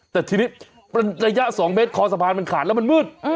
แต่ทีนี้ระยะ๒เมตรคอสะพานมันขาดแล้วมันมืด